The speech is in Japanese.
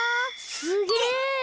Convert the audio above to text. すげえ！